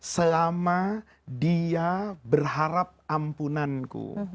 selama dia berharap ampunanku